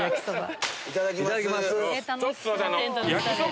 いただきます。